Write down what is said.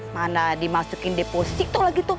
mana dimasukin deposito lagi tuh